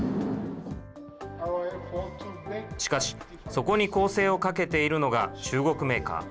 しかし、そこに攻勢をかけているのが、中国メーカー。